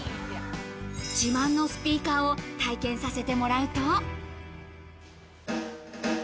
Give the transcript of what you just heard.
自慢のスピーカーを体験させてもらうと。